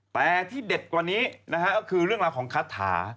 แต่ที่เด็ดกว่านี้นะฮะก็คือเรื่องราวของคาถา